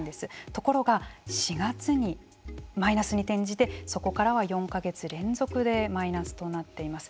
ところが４月にマイナスに転じてそこからは４か月連続でマイナスとなっています。